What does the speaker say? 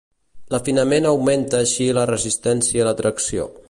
L'afinament augmenta així la resistència a la tracció.